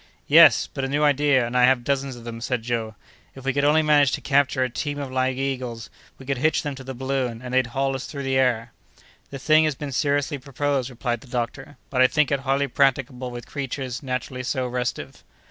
"Yes! but a new idea, and I have dozens of them," said Joe; "if we could only manage to capture a team of live eagles, we could hitch them to the balloon, and they'd haul us through the air!" "The thing has been seriously proposed," replied the doctor, "but I think it hardly practicable with creatures naturally so restive."